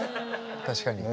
確かに。